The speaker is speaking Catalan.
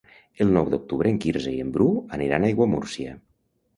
El nou d'octubre en Quirze i en Bru aniran a Aiguamúrcia.